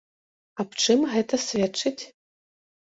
Аб чым гэта сведчыць?